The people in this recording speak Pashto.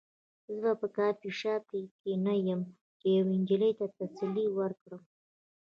زه په کافي شاپ کې نه یم چې یوې نجلۍ ته تسلي ورکړم